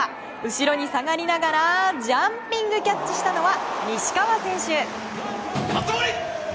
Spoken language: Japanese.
後ろに下がりながらジャンピングキャッチしたのは西川選手。